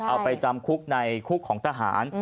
เอาไปจำคุกในคุกของทหาร